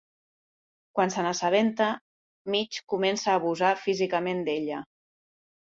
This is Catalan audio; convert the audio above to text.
Quan se n'assabenta, Mitch comença a abusar físicament d'ella.